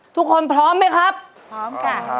ทุกคนพร้อมไหมครับพร้อมจ้ะ